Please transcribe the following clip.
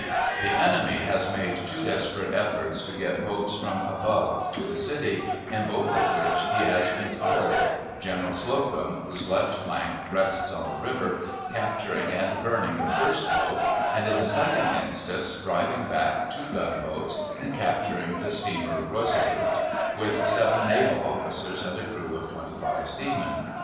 The enemy has made two desperate efforts to get boats from above to the city, in both of which he has been foiled General Slocum (whose left flank rests on the river) capturing and burning the first boat, and in the second instance driving back two gunboats and capturing the steamer Resolute, with seven naval officers and a crew of twenty five seamen.